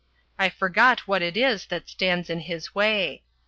I forgot what it is that stands in his way.